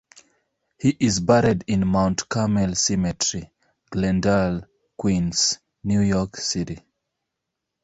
He is buried in Mount Carmel Cemetery, Glendale, Queens, New York City.